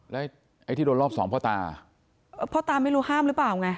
แล้วไอ้ที่โดนรอบสองพ่อตาพ่อตาไม่รู้ห้ามหรือเปล่าไง